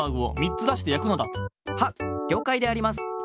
はっりょうかいであります。